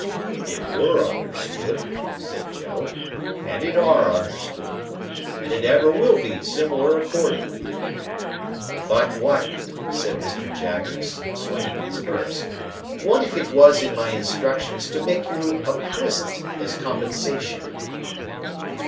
"It were understood," said Joe. "And it are understood. And it ever will be similar according." "But what," said Mr. Jaggers, swinging his purse,—"what if it was in my instructions to make you a present, as compensation?"